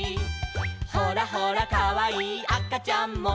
「ほらほらかわいいあかちゃんも」